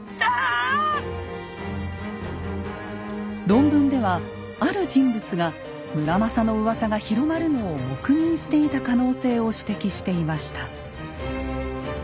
論文ではある人物が村正のうわさが広まるのを黙認していた可能性を指摘していました。